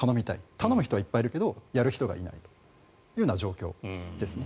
頼む人はいっぱいいるけどやる人がいないという状況です。